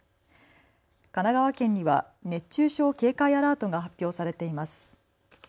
神奈川県には熱中症警戒アラートが発表されています。